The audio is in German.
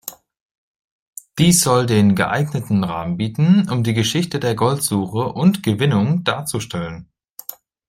Dies soll den geeigneten Rahmen bieten, um die Geschichte der Goldsuche und -gewinnung darzustellen.